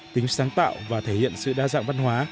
tính sáng tạo và thể hiện sự đa dạng văn hóa